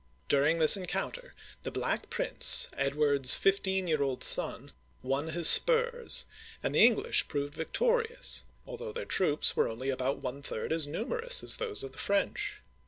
During this encounter, the Black Prince, Edward's fif teen year old son, won his spurs, and the English proved victorious, although their troops were only about one third as numerous as those of the French.